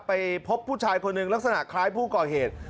ไปพบผู้ชายคนหนึ่งลักษณะคล้ายผู้ก่อเหตุ